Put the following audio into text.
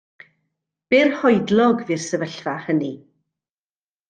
Byrhoedlog fu'r sefyllfa hynny.